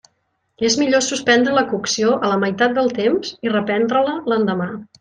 És millor suspendre la cocció a la meitat del temps i reprendre-la l'endemà.